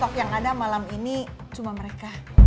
stok yang ada malam ini cuma mereka